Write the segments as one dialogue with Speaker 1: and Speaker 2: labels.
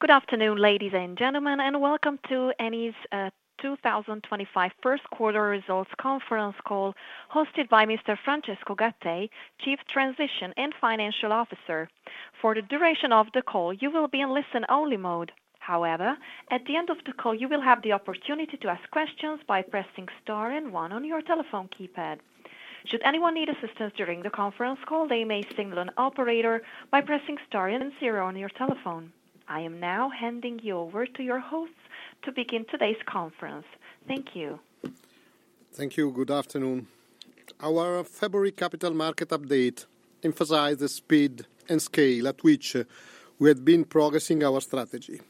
Speaker 1: Good afternoon, ladies and gentlemen, and welcome to Eni's 2025 First Quarter Results Conference call hosted by Mr. Francesco Gattei, Chief Transition and Financial Officer. For the duration of the call, you will be in listen-only mode. However, at the end of the call, you will have the opportunity to ask questions by pressing star and one on your telephone keypad. Should anyone need assistance during the conference call, they may signal an operator by pressing star and zero on your telephone. I am now handing you over to your hosts to begin today's conference. Thank you.
Speaker 2: Thank you. Good afternoon. Our February capital market update emphasized the speed and scale at which we had been progressing our strategy.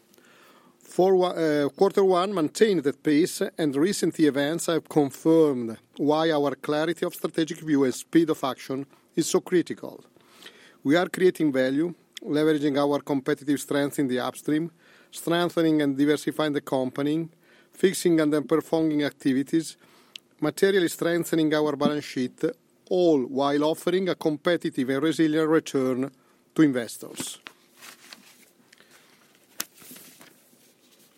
Speaker 2: Quarter one maintained that pace, and recent events have confirmed why our clarity of strategic view and speed of action is so critical. We are creating value, leveraging our competitive strength in the upstream, strengthening and diversifying the company, fixing and then performing activities, materially strengthening our balance sheet, all while offering a competitive and resilient return to investors.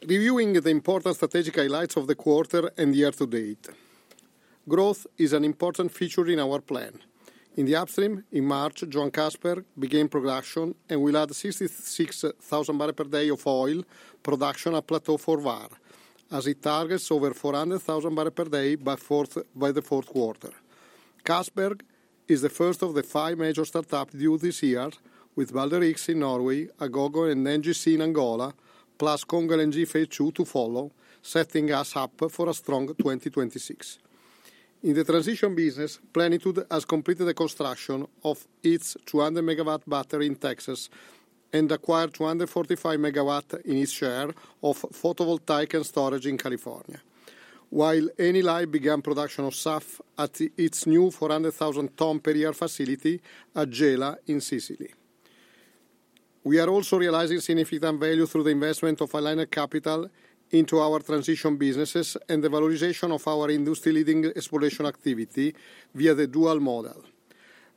Speaker 2: Reviewing the important strategic highlights of the quarter and year to date, growth is an important feature in our plan. In the upstream, in March, Johan Castberg began production and will add 66,000 barrels per day of oil production at Plateau for Vår, as it targets over 400,000 barrels per day by the fourth quarter. Cassiopea is the first of the five major startups due this year, with Balder X in Norway, Agogo, and NGC in Angola, plus Congo LNG and GFHU to follow, setting us up for a strong 2026. In the transition business, Plenitude has completed the construction of its 200-megawatt battery in Texas and acquired 245 megawatts in its share of photovoltaic and storage in California, while Enilive began production of SAF at its new 400,000-ton per year facility at Gela in Sicily. We are also realizing significant value through the investment of aligned capital into our transition businesses and the valorization of our industry-leading exploration activity via the dual model.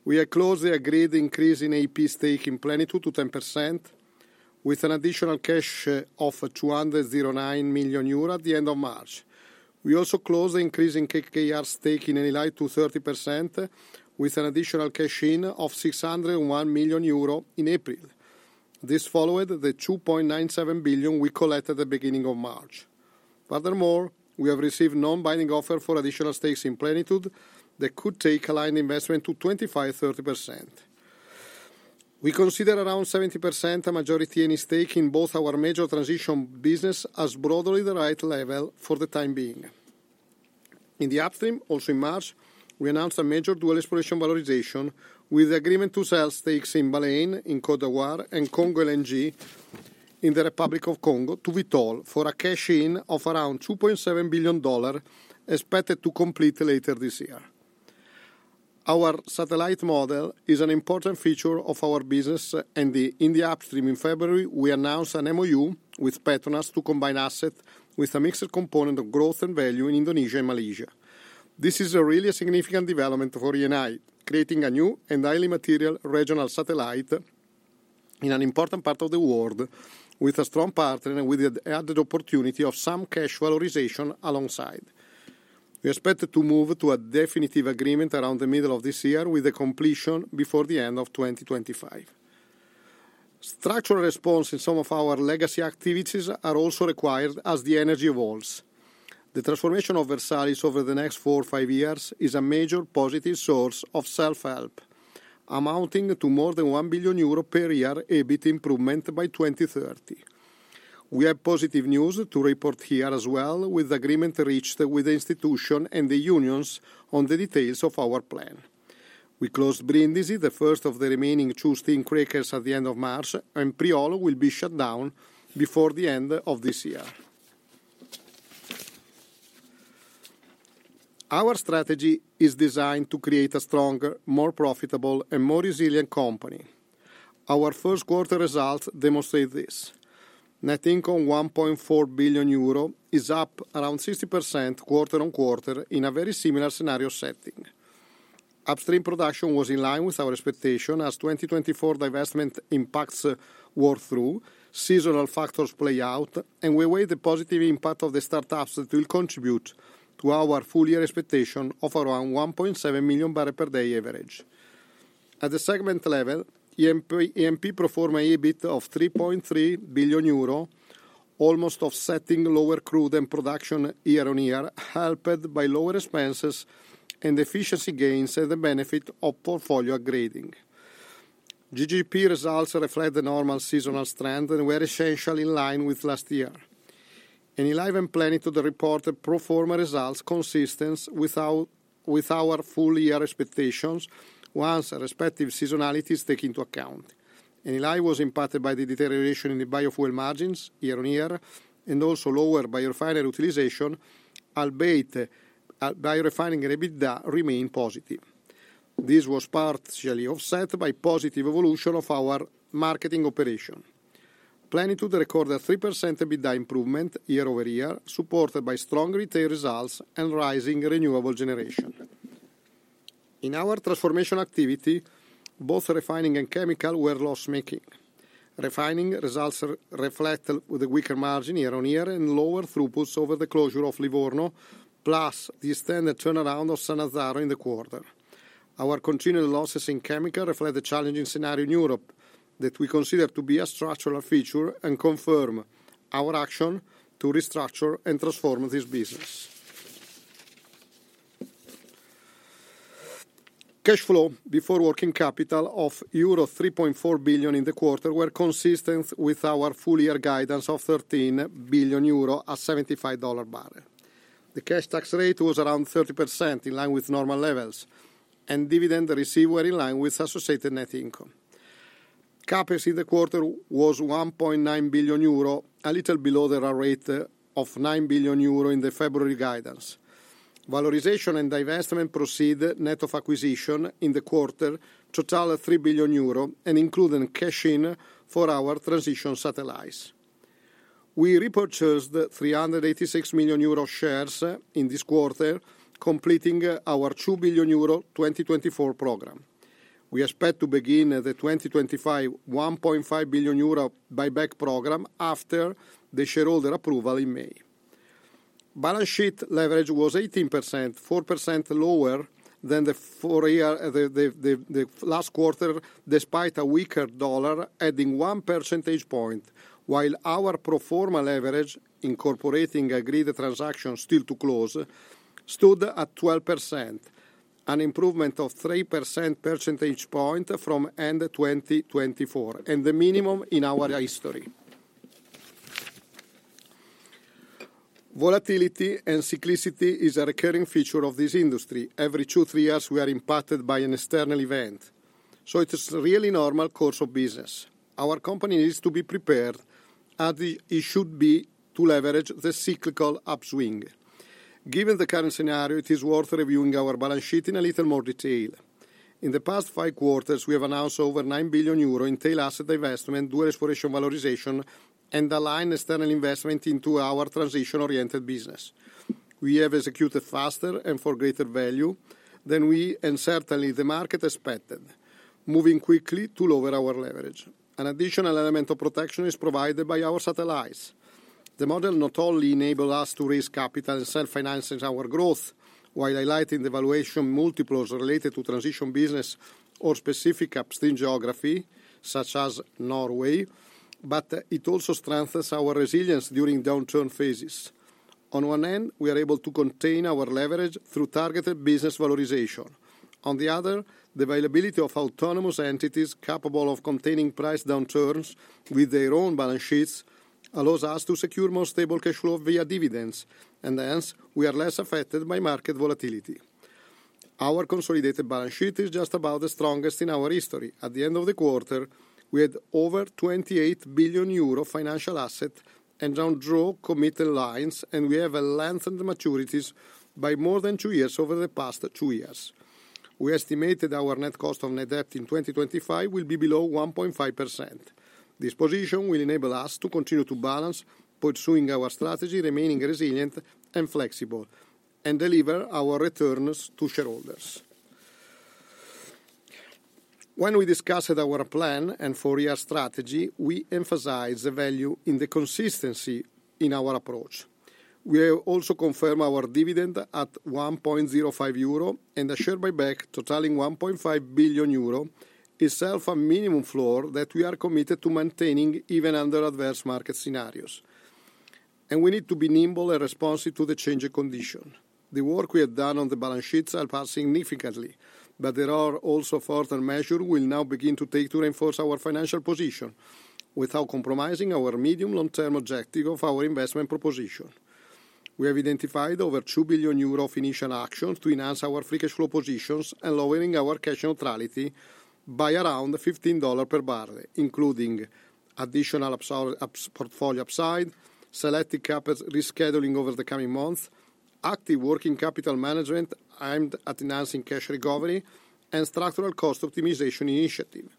Speaker 2: We have closed the agreed increase in EIP stake in Plenitude to 10%, with an additional cash of 209 million euro at the end of March. We also closed the increase in KKR stake in Enilive to 30%, with an additional cash in of 601 million euro in April. This followed the 2.97 billion we collected at the beginning of March. Furthermore, we have received non-binding offers for additional stakes in Plenitude that could take aligned investment to 25%-30%. We consider around 70% a majority Eni stake in both our major transition businesses as broadly the right level for the time being. In the upstream, also in March, we announced a major dual exploration valorization with the agreement to sell stakes in Baleine, in Côte d'Ivoire, and Congo LNG in the Republic of Congo to Vitol for a cash in of around $2.7 billion expected to complete later this year. Our satellite model is an important feature of our business, and in the upstream, in February, we announced an MoU with Petronas to combine assets with a mixed component of growth and value in Indonesia and Malaysia. This is really a significant development for Enilive, creating a new and highly material regional satellite in an important part of the world with a strong partner and with the added opportunity of some cash valorization alongside. We expect to move to a definitive agreement around the middle of this year with the completion before the end of 2025. Structural response in some of our legacy activities is also required as the energy evolves. The transformation of Versalis over the next four or five years is a major positive source of self-help, amounting to more than 1 billion euro per year EBIT improvement by 2030. We have positive news to report here as well, with the agreement reached with the institution and the unions on the details of our plan. We closed Brindisi, the first of the remaining two steam crackers at the end of March, and Priolo will be shut down before the end of this year. Our strategy is designed to create a stronger, more profitable, and more resilient company. Our first quarter results demonstrate this. Net income 1.4 billion euro is up around 60% quarter on quarter in a very similar scenario setting. Upstream production was in line with our expectation as 2024 divestment impacts wore through, seasonal factors played out, and we weighed the positive impact of the startups that will contribute to our full year expectation of around 1.7 million barrels per day average. At the segment level, E&P performed an EBIT of 3.3 billion euro, almost offsetting lower crude and production year on year, helped by lower expenses and efficiency gains and the benefit of portfolio upgrading. GGP results reflect the normal seasonal strength and were essentially in line with last year. Enilive and Plenitude reported pro forma results consistent with our full year expectations once respective seasonalities taken into account. Enilive was impacted by the deterioration in the biofuel margins year on year and also lower biofuel utilization, albeit biorefining and EBITDA remained positive. This was partially offset by positive evolution of our marketing operation. Plenitude recorded a 3% EBITDA improvement year over year, supported by strong retail results and rising renewable generation. In our transformation activity, both refining and chemical were loss-making. Refining results reflected with a weaker margin year on year and lower throughputs over the closure of Livorno, plus the extended turnaround of Sannazzaro in the quarter. Our continued losses in chemical reflect the challenging scenario in Europe that we consider to be a structural feature and confirm our action to restructure and transform this business. Cash flow before working capital of euro 3.4 billion in the quarter were consistent with our full year guidance of 13 billion euro at $75 barrel. The cash tax rate was around 30% in line with normal levels, and dividend receipt were in line with associated net income. Capex in the quarter was 1.9 billion euro, a little below the rate of 9 billion euro in the February guidance. Valorization and divestment proceed net of acquisition in the quarter totaled 3 billion euro and included cash in for our transition satellites. We repurchased 386 million euro shares in this quarter, completing our 2 billion euro 2024 program. We expect to begin the 2025 1.5 billion euro buyback program after the shareholder approval in May. Balance sheet leverage was 18%, 4% lower than the last quarter despite a weaker dollar adding 1 percentage point, while our pro forma leverage, incorporating agreed transactions still to close, stood at 12%, an improvement of 3 percentage points from end 2024 and the minimum in our history. Volatility and cyclicity is a recurring feature of this industry. Every two or three years, we are impacted by an external event, so it is a really normal course of business. Our company needs to be prepared, as it should be, to leverage the cyclical upswing. Given the current scenario, it is worth reviewing our balance sheet in a little more detail. In the past five quarters, we have announced over 9 billion euro in tail asset divestment, dual exploration valorization, and aligned external investment into our transition-oriented business. We have executed faster and for greater value than we and certainly the market expected, moving quickly to lower our leverage. An additional element of protection is provided by our satellites. The model not only enables us to raise capital and self-finance our growth while highlighting the valuation multiples related to transition business or specific upstream geography, such as Norway, but it also strengthens our resilience during downturn phases. On one end, we are able to contain our leverage through targeted business valorization. On the other, the availability of autonomous entities capable of containing price downturns with their own balance sheets allows us to secure more stable cash flow via dividends, and thus we are less affected by market volatility. Our consolidated balance sheet is just about the strongest in our history. At the end of the quarter, we had over 28 billion euro financial assets and drawn committed lines, and we have lengthened maturities by more than two years over the past two years. We estimated our net cost of net debt in 2025 will be below 1.5%. This position will enable us to continue to balance, pursuing our strategy, remaining resilient and flexible, and deliver our returns to shareholders. When we discussed our plan and four-year strategy, we emphasized the value in the consistency in our approach. We also confirmed our dividend at 1.05 euro and a share buyback totaling 1.5 billion euro is itself a minimum floor that we are committed to maintaining even under adverse market scenarios. We need to be nimble and responsive to the changing conditions. The work we have done on the balance sheet has impacted significantly, but there are also further measures we will now begin to take to reinforce our financial position without compromising our medium-long-term objective of our investment proposition. We have identified over 2 billion euro of initial actions to enhance our free cash flow positions and lowering our cash neutrality by around $15 per barrel, including additional portfolio upside, selective capital rescheduling over the coming months, active working capital management aimed at enhancing cash recovery, and structural cost optimization initiative.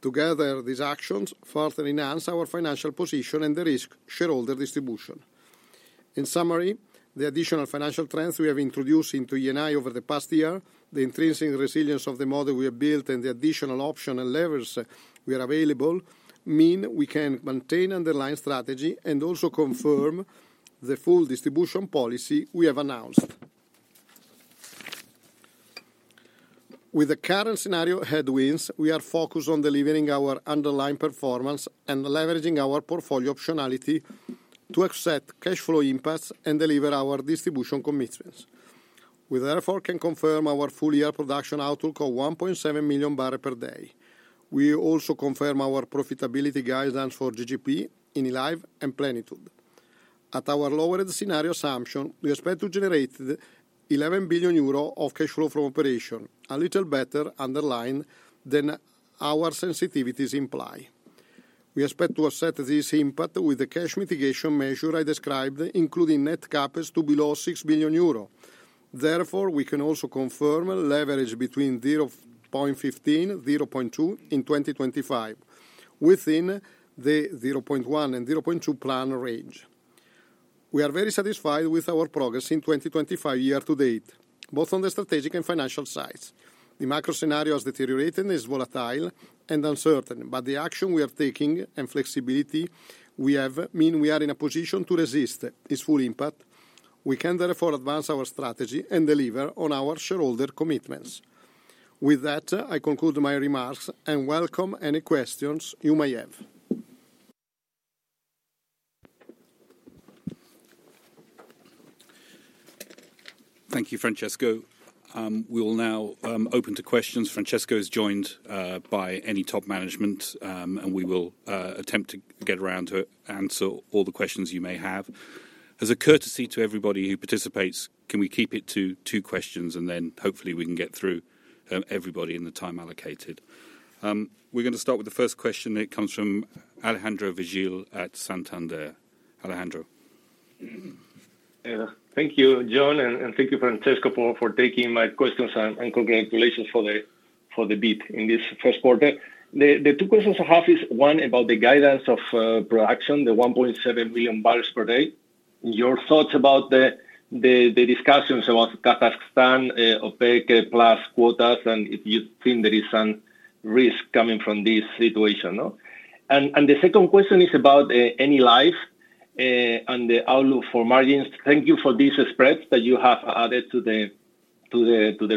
Speaker 2: Together, these actions further enhance our financial position and the risk-shareholder distribution. In summary, the additional financial trends we have introduced into Eni over the past year, the intrinsic resilience of the model we have built, and the additional options and levers we have available mean we can maintain underlying strategy and also confirm the full distribution policy we have announced. With the current scenario headwinds, we are focused on delivering our underlying performance and leveraging our portfolio optionality to offset cash flow impacts and deliver our distribution commitments. We therefore can confirm our full year production outlook of 1.7 million barrels per day. We also confirm our profitability guidance for GGP, Enilive, and Plenitude. At our lowered scenario assumption, we expect to generate 11 billion euro of cash flow from operation, a little better underlying than our sensitivities imply. We expect to offset this impact with the cash mitigation measure I described, including net CapEx to below 6 billion euro. Therefore, we can also confirm leverage between 0.15-0.2 in 2025, within the 0.1-0.2 plan range. We are very satisfied with our progress in 2025 year to date, both on the strategic and financial sides. The macro scenario has deteriorated and is volatile and uncertain, but the action we are taking and flexibility we have mean we are in a position to resist its full impact. We can therefore advance our strategy and deliver on our shareholder commitments. With that, I conclude my remarks and welcome any questions you may have.
Speaker 3: Thank you, Francesco. We will now open to questions. Francesco is joined by Eni top management, and we will attempt to get around to answer all the questions you may have. As a courtesy to everybody who participates, can we keep it to two questions and then hopefully we can get through everybody in the time allocated? We're going to start with the first question. It comes from Alejandro Vigil at Santander. Alejandro.
Speaker 4: Thank you, John, and thank you, Francesco, for taking my questions and congratulations for the beat in this first quarter. The two questions I have are one about the guidance of production, the 1.7 million barrels per day. Your thoughts about the discussions about Kazakhstan, OPEC+ quotas, and if you think there is some risk coming from this situation. The second question is about Enilive and the outlook for margins. Thank you for these spreads that you have added to the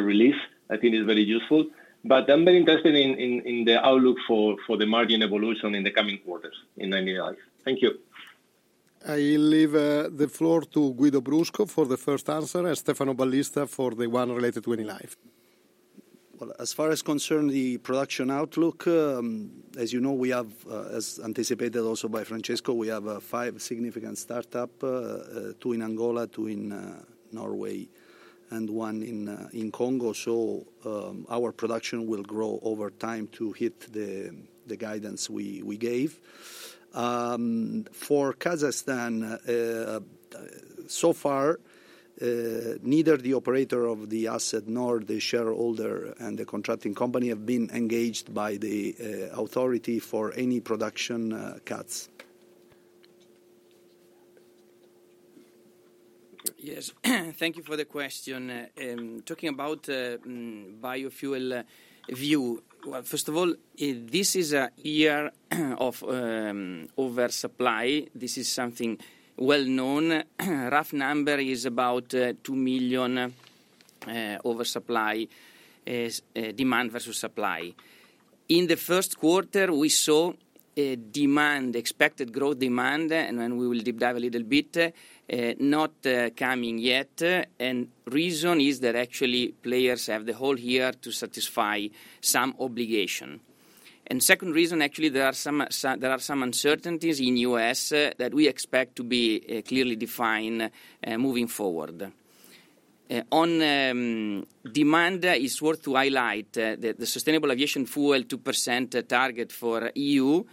Speaker 4: release. I think it's very useful, but I'm very interested in the outlook for the margin evolution in the coming quarters in Enilive. Thank you.
Speaker 2: I leave the floor to Guido Brusco for the first answer and Stefano Ballista for the one related to Enilive.
Speaker 5: As far as concerns the production outlook, as you know, we have, as anticipated also by Francesco, we have five significant startups, two in Angola, two in Norway, and one in Congo. Our production will grow over time to hit the guidance we gave. For Kazakhstan, so far, neither the operator of the asset nor the shareholder and the contracting company have been engaged by the authority for any production cuts.
Speaker 6: Yes, thank you for the question. Talking about biofuel view, first of all, this is a year of oversupply. This is something well known. Rough number is about 2 million oversupply demand versus supply. In the first quarter, we saw demand, expected growth demand, and we will deep dive a little bit, not coming yet. The reason is that actually players have the whole year to satisfy some obligation. The second reason, actually, there are some uncertainties in the US that we expect to be clearly defined moving forward. On demand, it's worth to highlight that the sustainable aviation fuel 2% target for EU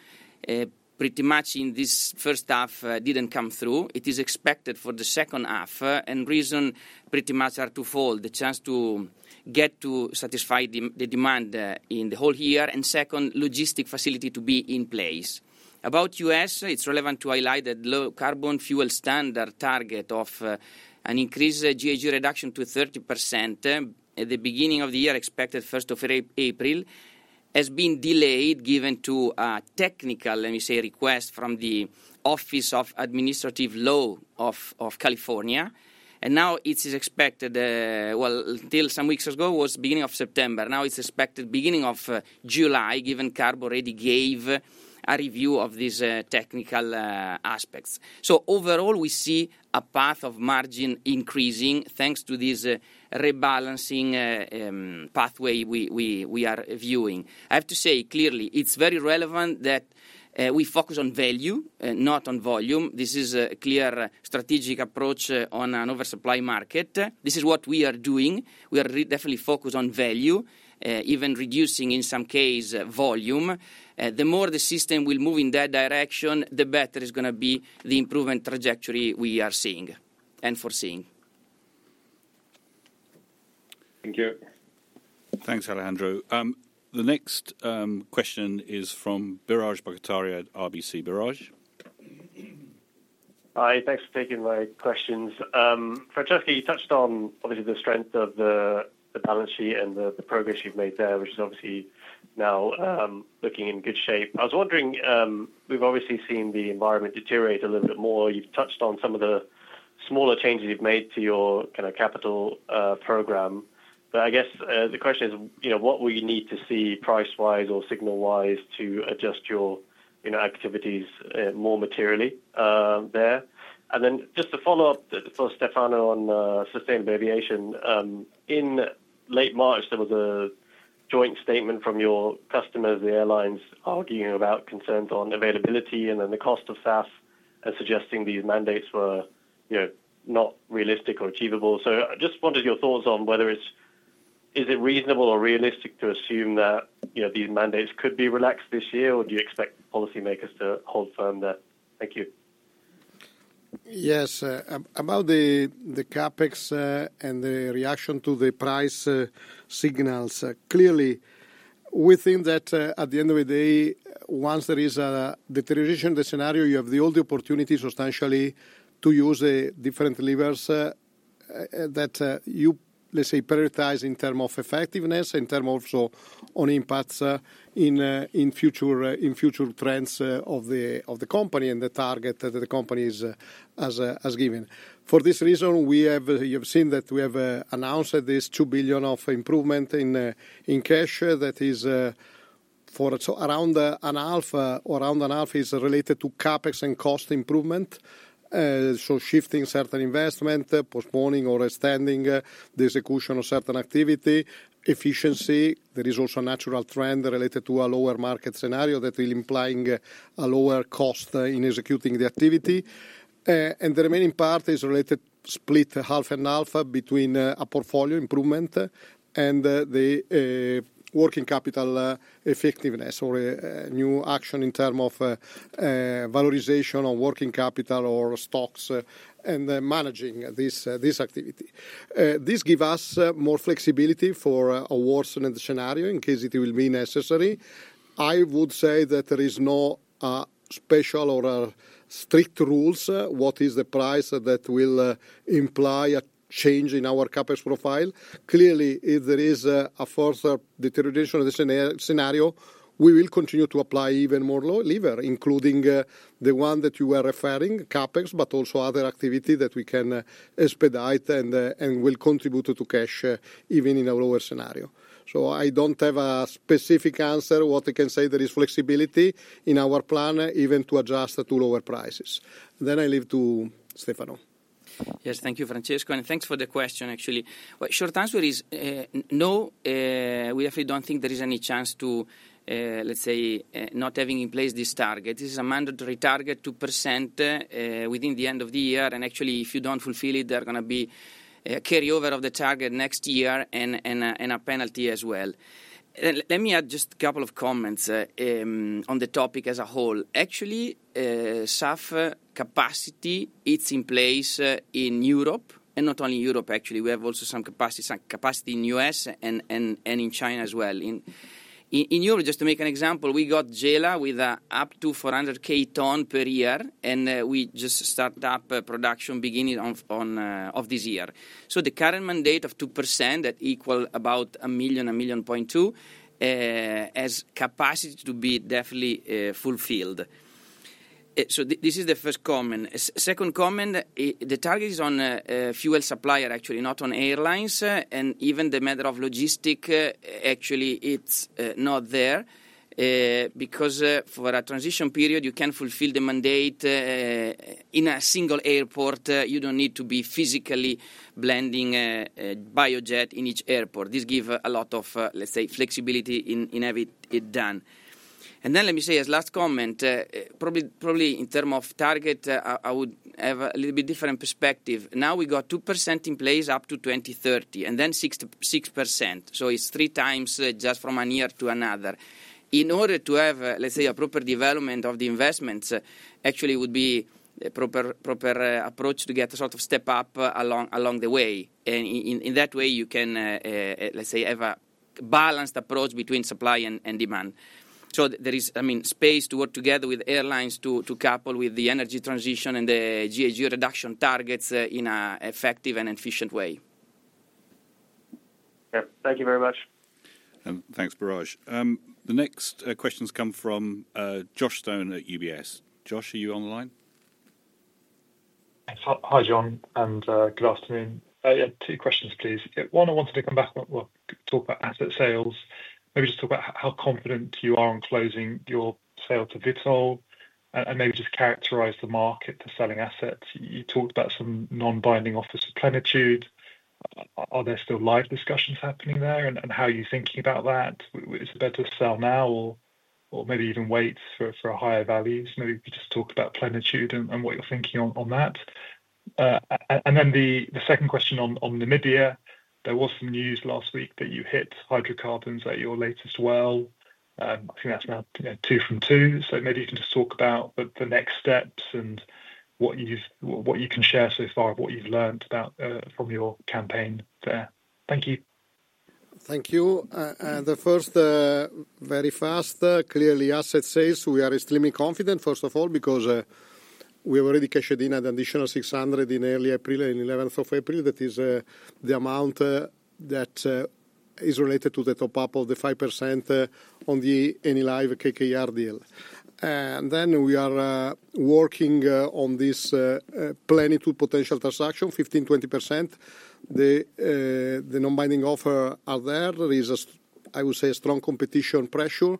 Speaker 6: pretty much in this first half didn't come through. It is expected for the second half, and the reason pretty much are twofold: the chance to get to satisfy the demand in the whole year, and second, logistic facility to be in place. About the US, it's relevant to highlight that the low carbon fuel standard target of an increased GHG reduction to 30% at the beginning of the year expected 1st of April has been delayed given to a technical, let me say, request from the Office of Administrative Law of California. It is expected, until some weeks ago, was beginning of September. Now it's expected beginning of July, given CARB already gave a review of these technical aspects. Overall, we see a path of margin increasing thanks to this rebalancing pathway we are viewing. I have to say clearly, it's very relevant that we focus on value, not on volume. This is a clear strategic approach on an oversupply market. This is what we are doing. We are definitely focused on value, even reducing in some case volume. The more the system will move in that direction, the better is going to be the improvement trajectory we are seeing and foreseeing.
Speaker 4: Thank you.
Speaker 3: Thanks, Alejandro. The next question is from Biraj Borkhataria at RBC Birraj.
Speaker 7: Hi, thanks for taking my questions. Francesco, you touched on obviously the strength of the balance sheet and the progress you've made there, which is obviously now looking in good shape. I was wondering, we've obviously seen the environment deteriorate a little bit more. You've touched on some of the smaller changes you've made to your kind of capital program, but I guess the question is, what will you need to see price-wise or signal-wise to adjust your activities more materially there? Just to follow up for Stefano on sustainable aviation, in late March, there was a joint statement from your customers, the airlines, arguing about concerns on availability and then the cost of SAF and suggesting these mandates were not realistic or achievable. I just wanted your thoughts on whether it's, is it reasonable or realistic to assume that these mandates could be relaxed this year, or do you expect policymakers to hold firm that? Thank you.
Speaker 2: Yes, about the CapEx and the reaction to the price signals, clearly, we think that at the end of the day, once there is a deterioration in the scenario, you have the only opportunity substantially to use different levers that you, let's say, prioritize in terms of effectiveness, in terms also on impacts in future trends of the company and the target that the company has given. For this reason, you have seen that we have announced this 2 billion of improvement in cash that is for around half, or around half is related to CapEx and cost improvement, so shifting certain investment, postponing or extending the execution of certain activity, efficiency. There is also a natural trend related to a lower market scenario that will imply a lower cost in executing the activity. The remaining part is related split half and half between a portfolio improvement and the working capital effectiveness or a new action in terms of valorization of working capital or stocks and managing this activity. This gives us more flexibility for a worsening scenario in case it will be necessary. I would say that there are no special or strict rules what is the price that will imply a change in our CapEx profile. Clearly, if there is a further deterioration of this scenario, we will continue to apply even more lower lever, including the one that you were referring, CapEx, but also other activity that we can expedite and will contribute to cash even in a lower scenario. I do not have a specific answer. What I can say, there is flexibility in our plan, even to adjust to lower prices. I leave to Stefano.
Speaker 6: Yes, thank you, Francesco, and thanks for the question, actually. Short answer is no, we definitely do not think there is any chance to, let's say, not having in place this target. This is a mandatory target, 2% within the end of the year, and actually, if you do not fulfill it, there are going to be a carryover of the target next year and a penalty as well. Let me add just a couple of comments on the topic as a whole. Actually, SAF capacity, it's in place in Europe, and not only in Europe, actually. We have also some capacity in the US and in China as well. In Europe, just to make an example, we got Gela with up to 400,000 tonnes per year, and we just start up production beginning of this year. The current mandate of 2% that equals about 1 million, 1.2 million has capacity to be definitely fulfilled. This is the first comment. Second comment, the target is on fuel supplier, actually, not on airlines, and even the matter of logistic, actually, it's not there because for a transition period, you can fulfill the mandate in a single airport. You don't need to be physically blending biojet in each airport. This gives a lot of, let's say, flexibility in having it done. Let me say, as last comment, probably in terms of target, I would have a little bit different perspective. Now we got 2% in place up to 2030 and then 6%. It is three times just from one year to another. In order to have, let's say, a proper development of the investments, actually, it would be a proper approach to get a sort of step up along the way. In that way, you can, let's say, have a balanced approach between supply and demand. There is, I mean, space to work together with airlines to couple with the energy transition and the GHG reduction targets in an effective and efficient way.
Speaker 7: Thank you very much.
Speaker 3: Thanks, Biraj. The next questions come from Josh Stone at UBS. Josh, are you on the line?
Speaker 8: Hi, John, and good afternoon. Two questions, please. One, I wanted to come back, talk about asset sales. Maybe just talk about how confident you are in closing your sale to Vitol and maybe just characterize the market for selling assets. You talked about some non-binding offers of Plenitude. Are there still live discussions happening there and how are you thinking about that? Is it better to sell now or maybe even wait for higher values? Maybe you could just talk about Plenitude and what you're thinking on that. The second question on Namibia, there was some news last week that you hit hydrocarbons at your latest well. I think that's now two from two. Maybe you can just talk about the next steps and what you can share so far of what you've learned from your campaign there. Thank you.
Speaker 2: Thank you. The first, very fast, clearly asset sales. We are extremely confident, first of all, because we have already cashed in an additional 600 million in early April, in 11th of April. That is the amount that is related to the top-up of the 5% on the Enilive KKR deal. We are working on this Plenitude potential transaction, 15%-20%. The non-binding offer out there is, I would say, a strong competition pressure.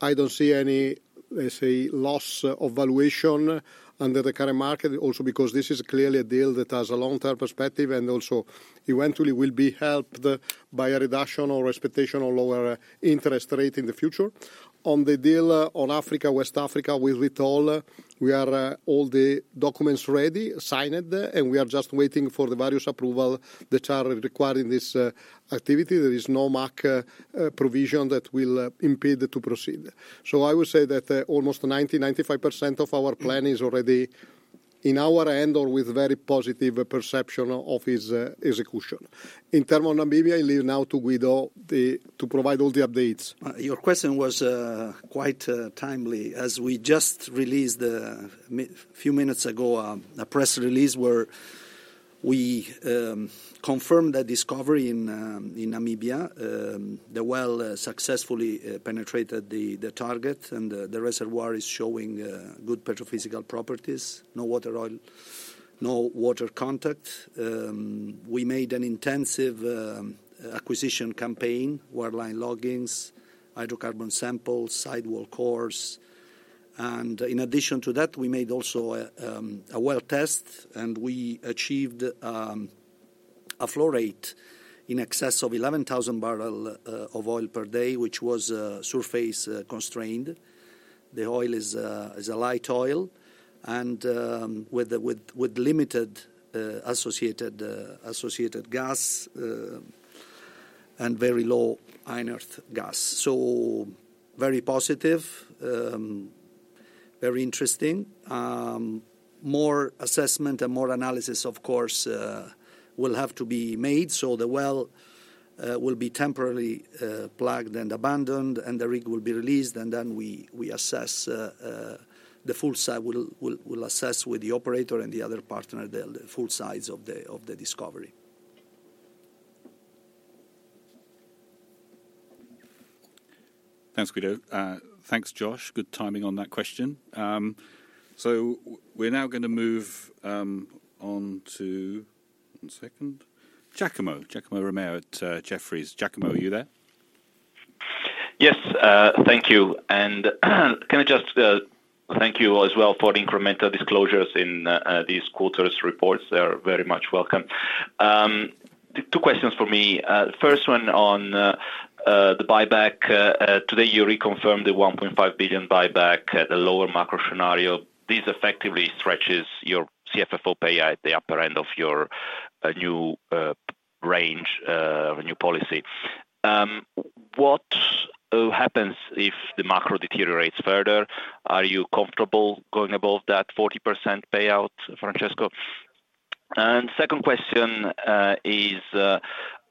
Speaker 2: I do not see any, let's say, loss of valuation under the current market, also because this is clearly a deal that has a long-term perspective and also eventually will be helped by a reduction or expectation of lower interest rate in the future. On the deal on Africa, West Africa with Vitol, we have all the documents ready, signed, and we are just waiting for the various approval that are required in this activity. There is no MAC provision that will impede to proceed. I would say that almost 90%-95% of our plan is already in our hand or with very positive perception of its execution. In terms of Namibia, I leave now to Guido to provide all the updates.
Speaker 5: Your question was quite timely. We just released a few minutes ago a press release where we confirmed that discovery in Namibia, the well successfully penetrated the target and the reservoir is showing good petrophysical properties, no water oil, no water contact. We made an intensive acquisition campaign, wireline loggings, hydrocarbon samples, sidewall cores. In addition to that, we made also a well test and we achieved a flow rate in excess of 11,000 barrels of oil per day, which was surface constrained. The oil is a light oil and with limited associated gas and very low inert gas. Very positive, very interesting. More assessment and more analysis, of course, will have to be made. The well will be temporarily plugged and abandoned and the rig will be released and then we assess, the full site will assess with the operator and the other partner the full size of the discovery.
Speaker 3: Thanks, Guido. Thanks, Josh. Good timing on that question. We are now going to move on to, one second, Giacomo, Giacomo Romeo at Jefferies. Giacomo, are you there?
Speaker 9: Yes, thank you. Can I just thank you as well for the incremental disclosures in these quarter's reports? They are very much welcome. Two questions for me. First one on the buyback. Today, you reconfirmed the 1.5 billion buyback at a lower macro scenario. This effectively stretches your CFFO pay at the upper end of your new range, new policy. What happens if the macro deteriorates further? Are you comfortable going above that 40% payout, Francesco? Second question is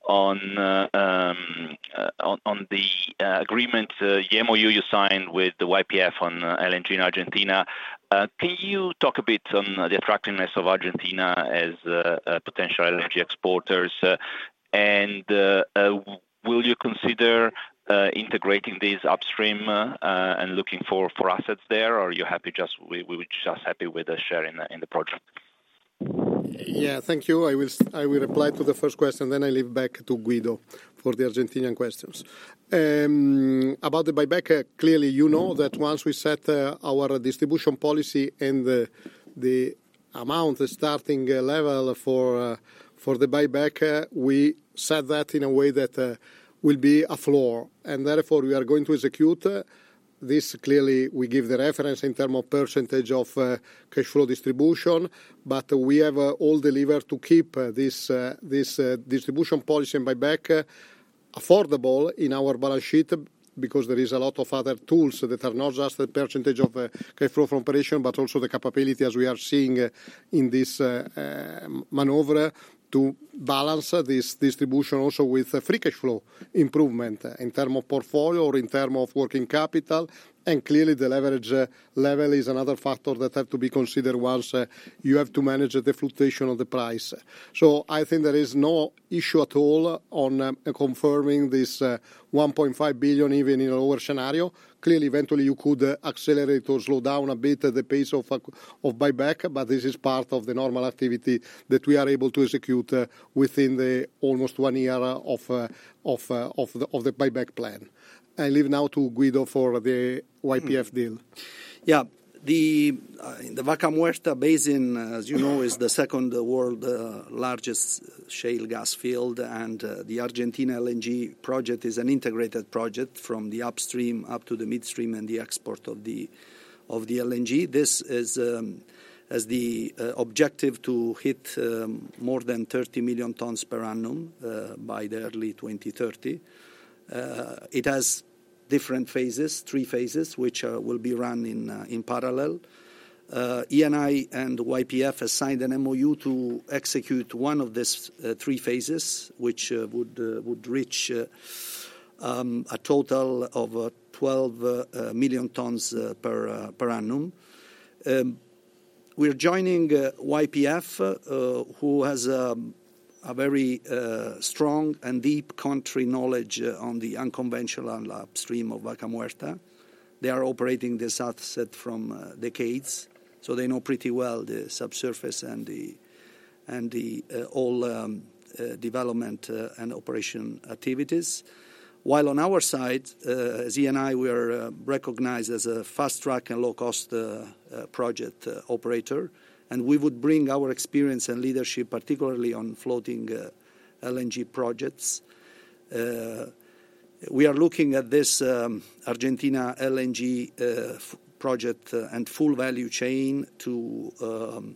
Speaker 9: on the agreement, the MoU you signed with YPF on LNG in Argentina. Can you talk a bit on the attractiveness of Argentina as a potential energy exporter? Will you consider integrating these upstream and looking for assets there, or are you happy just, we were just happy with the share in the project?
Speaker 2: Yeah, thank you. I will reply to the first question, then I leave back to Guido for the Argentinian questions. About the buyback, clearly you know that once we set our distribution policy and the amount starting level for the buyback, we set that in a way that will be a floor. Therefore, we are going to execute this. Clearly, we give the reference in terms of % of cash flow distribution, but we have all delivered to keep this distribution policy and buyback affordable in our balance sheet because there is a lot of other tools that are not just the % of cash flow from operation, but also the capability as we are seeing in this maneuver to balance this distribution also with free cash flow improvement in terms of portfolio or in terms of working capital. Clearly, the leverage level is another factor that has to be considered once you have to manage the fluctuation of the price. I think there is no issue at all on confirming this 1.5 billion even in a lower scenario. Clearly, eventually you could accelerate or slow down a bit the pace of buyback, but this is part of the normal activity that we are able to execute within the almost one year of the buyback plan. I leave now to Guido for the YPF deal.
Speaker 5: Yeah, the Vaca Muerta basin, as you know, is the second world largest shale gas field, and the Argentina LNG project is an integrated project from the upstream up to the midstream and the export of the LNG. This has the objective to hit more than 30 million tonnes per annum by the early 2030. It has different phases, three phases, which will be run in parallel. Eni and YPF have signed an MoU to execute one of these three phases, which would reach a total of 12 million tonnes per annum. We're joining YPF, who has a very strong and deep country knowledge on the unconventional upstream of Vaca Muerta. They are operating this asset from decades, so they know pretty well the subsurface and all development and operation activities. While on our side, Eni, we are recognized as a fast track and low cost project operator, and we would bring our experience and leadership, particularly on floating LNG projects. We are looking at this Argentina LNG project and full value chain to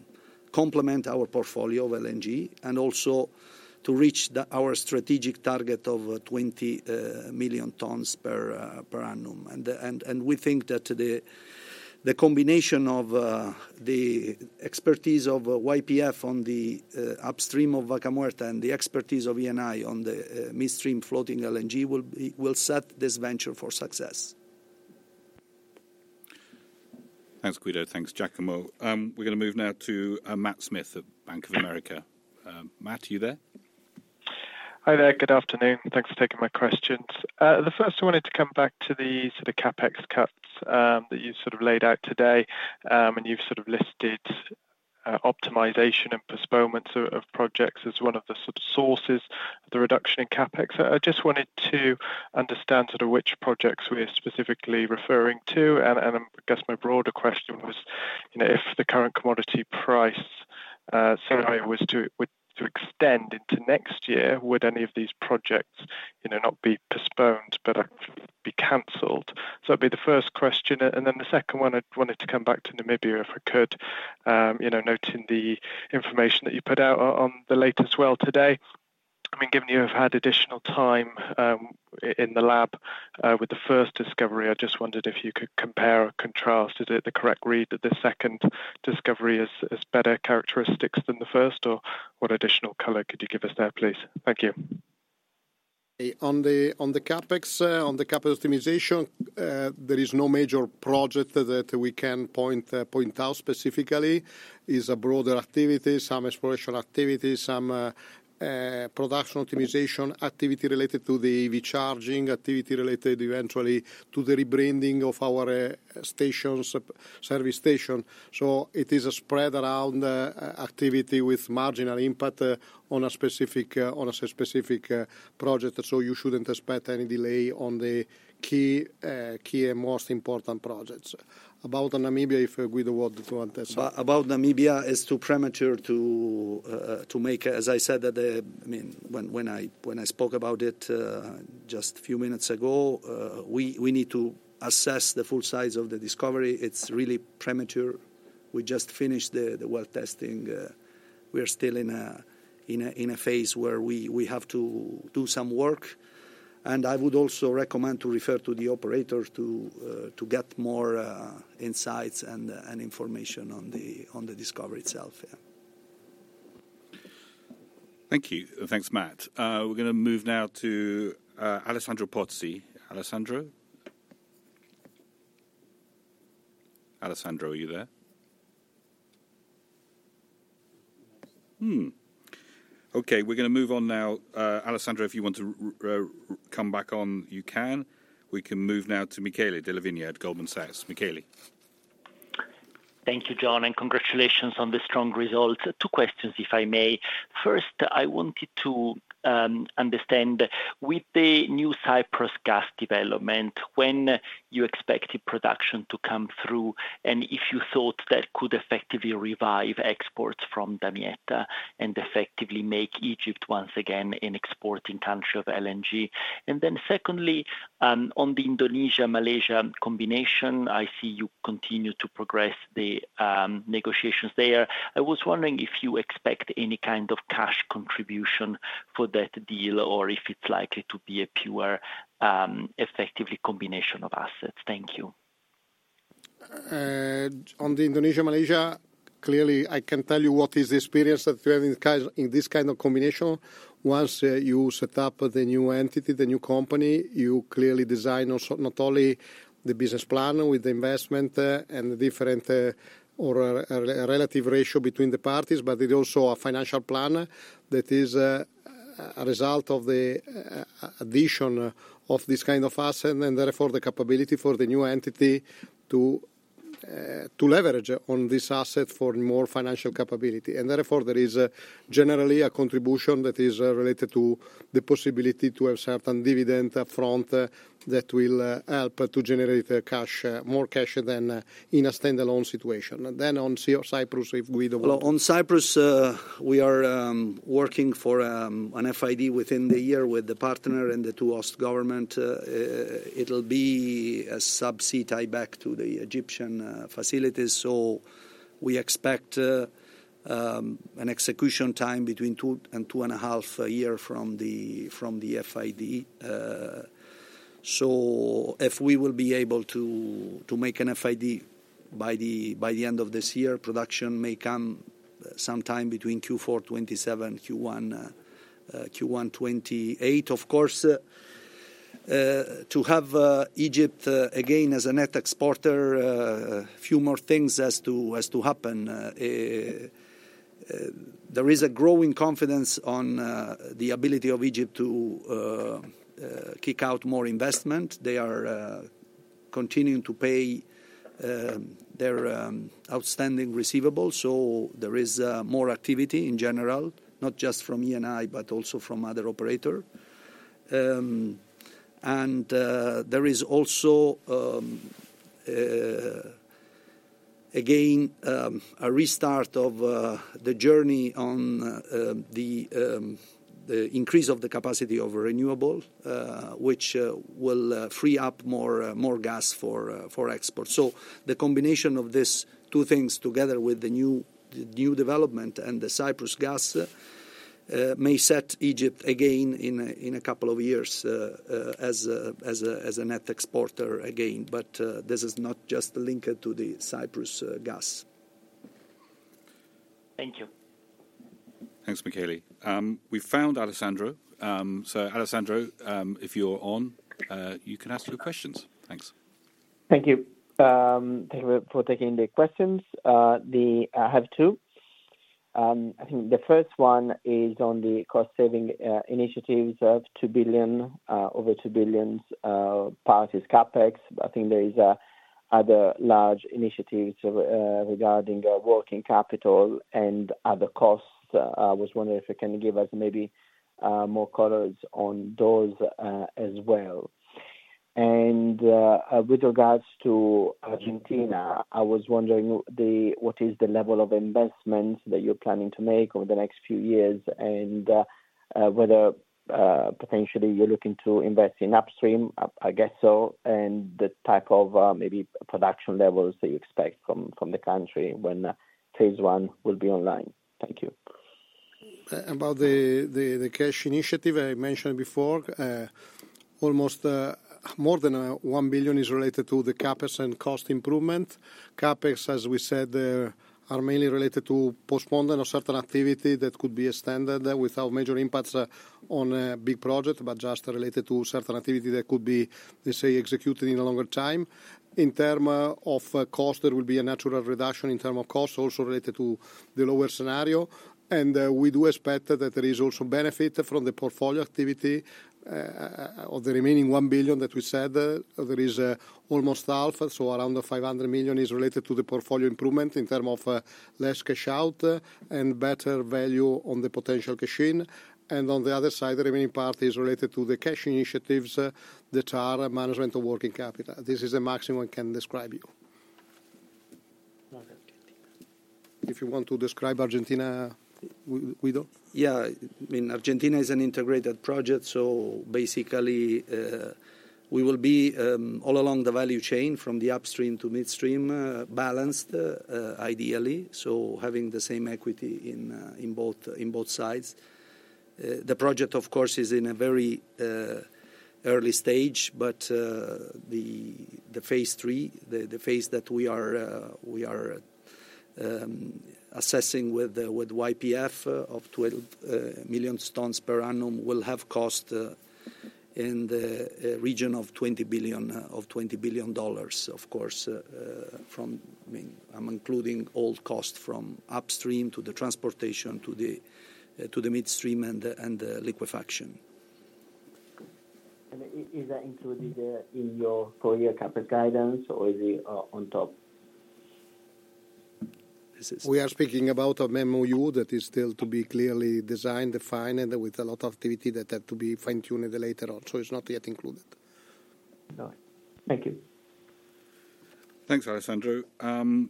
Speaker 5: complement our portfolio of LNG and also to reach our strategic target of 20 million tonnes per annum. We think that the combination of the expertise of YPF on the upstream of Vaca Muerta and the expertise of Eni on the midstream floating LNG will set this venture for success.
Speaker 3: Thanks, Guido. Thanks, Giacomo. We're going to move now to Matt Smith at Bank of America. Matt, are you there?
Speaker 10: Hi there, good afternoon. Thanks for taking my questions. The first, I wanted to come back to the CapEx cuts that you sort of laid out today, and you've sort of listed optimization and postponement of projects as one of the sources of the reduction in CapEx. I just wanted to understand sort of which projects we're specifically referring to, and I guess my broader question was, if the current commodity price scenario was to extend into next year, would any of these projects not be postponed, but actually be canceled? That would be the first question. The second one, I wanted to come back to Namibia, if I could, noting the information that you put out on the latest well today. I mean, given you have had additional time in the lab with the first discovery, I just wondered if you could compare or contrast, is it the correct read that the second discovery has better characteristics than the first, or what additional color could you give us there, please? Thank you.
Speaker 2: On the CapEx, on the CapEx optimization, there is no major project that we can point out specifically. It's a broader activity, some exploration activity, some production optimization activity related to the EV charging activity related eventually to the rebranding of our stations, service station. It is a spread around activity with marginal impact on a specific project. You shouldn't expect any delay on the key and most important projects. About Namibia, if Guido wanted to address.
Speaker 5: About Namibia, it's too premature to make, as I said, when I spoke about it just a few minutes ago, we need to assess the full size of the discovery. It's really premature. We just finished the well testing. We're still in a phase where we have to do some work. I would also recommend to refer to the operators to get more insights and information on the discovery itself.
Speaker 3: Thank you. Thanks, Matt. We're going to move now to Alessandro Pozzi. Alessandro? Alessandro, are you there? Okay, we're going to move on now. Alessandro, if you want to come back on, you can. We can move now to Michele De La Vigna at Goldman Sachs. Michele.
Speaker 11: Thank you, John, and congratulations on the strong results. Two questions, if I may. First, I wanted to understand, with the new Cyprus gas development, when do you expect production to come through, and if you thought that could effectively revive exports from Damietta and effectively make Egypt once again an exporting country of LNG? Secondly, on the Indonesia-Malaysia combination, I see you continue to progress the negotiations there. I was wondering if you expect any kind of cash contribution for that deal or if it's likely to be a pure, effectively combination of assets. Thank you.
Speaker 2: On the Indonesia-Malaysia, clearly, I can tell you what is the experience that you have in this kind of combination. Once you set up the new entity, the new company, you clearly design not only the business plan with the investment and the different or relative ratio between the parties, but it's also a financial plan that is a result of the addition of this kind of asset and therefore the capability for the new entity to leverage on this asset for more financial capability. Therefore, there is generally a contribution that is related to the possibility to have certain dividend upfront that will help to generate more cash than in a standalone situation. On Cyprus, if Guido wants.
Speaker 5: On Cyprus, we are working for an FID within the year with the partner and the two host governments. It'll be a subsea tie back to the Egyptian facilities. We expect an execution time between two and two and a half years from the FID. If we will be able to make an FID by the end of this year, production may come sometime between Q4 2027, Q1 2028. Of course, to have Egypt again as a net exporter, a few more things have to happen. There is a growing confidence on the ability of Egypt to kick out more investment. They are continuing to pay their outstanding receivables. There is more activity in general, not just from Eni, but also from other operators. There is also, again, a restart of the journey on the increase of the capacity of renewables, which will free up more gas for export. The combination of these two things together with the new development and the Cyprus gas may set Egypt again in a couple of years as a net exporter again. This is not just linked to the Cyprus gas. Thank you.
Speaker 3: Thanks, Michele. We found Alessandro. Alessandro, if you're on, you can ask your questions. Thanks.
Speaker 12: Thank you for taking the questions. I have two. I think the first one is on the cost-saving initiatives of over 2 billion, parties, CapEx. I think there are other large initiatives regarding working capital and other costs. I was wondering if you can give us maybe more colors on those as well. With regards to Argentina, I was wondering what is the level of investment that you're planning to make over the next few years and whether potentially you're looking to invest in upstream, I guess so, and the type of maybe production levels that you expect from the country when phase one will be online. Thank you.
Speaker 2: About the cash initiative I mentioned before, almost more than 1 billion is related to the CapEx and cost improvement. Capex, as we said, are mainly related to postponement of certain activity that could be extended without major impacts on big projects, but just related to certain activity that could be, let's say, executed in a longer time. In terms of cost, there will be a natural reduction in terms of cost, also related to the lower scenario. We do expect that there is also benefit from the portfolio activity of the remaining 1 billion that we said. There is almost half, so around 500 million is related to the portfolio improvement in terms of less cash out and better value on the potential cash in. On the other side, the remaining part is related to the cash initiatives that are management of working capital. This is the maximum I can describe you. If you want to describe Argentina, Guido?
Speaker 5: Yeah, I mean, Argentina is an integrated project. Basically, we will be all along the value chain from the upstream to midstream balanced, ideally, so having the same equity in both sides. The project, of course, is in a very early stage, but the phase three, the phase that we are assessing with YPF of 12 million tonnes per annum will have cost in the region of $20 billion, of course, I mean, I'm including all costs from upstream to the transportation to the midstream and liquefaction.
Speaker 12: Is that included in your four-year CapEx guidance, or is it on top?
Speaker 2: We are speaking about a memo that is still to be clearly designed, defined, and with a lot of activity that had to be fine-tuned later on. It's not yet included.
Speaker 12: Thank you.
Speaker 3: Thanks, Alessandro.